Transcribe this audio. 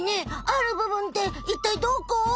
「ある部分」っていったいどこ？